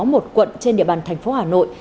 một quận trên địa bàn thành phố hà nội